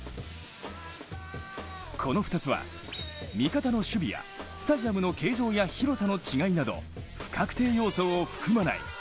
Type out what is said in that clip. この２つは、味方の守備や、スタジアムの形状や広さの違いなど不確定要素を含まない。